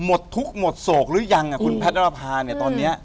หมดทุกข์หมดโศกหรือยังคุณแพทย์นรภาเนี่ยตอนนี้